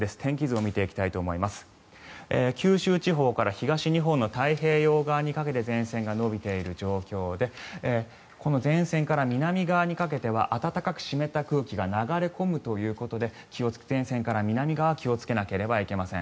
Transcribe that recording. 九州地方から東日本の太平洋側にかけて前線が延びている状況でこの前線から南側にかけては暖かく湿った空気が流れ込むということで前線から南側は気をつけなければいけません。